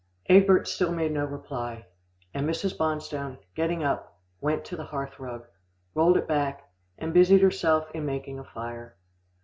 '" Egbert still made no reply, and Mrs. Bonstone, getting up, went to the hearth rug, rolled it back, and busied herself in making a fire.